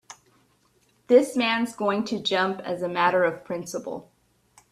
This man's going to jump as a matter of principle.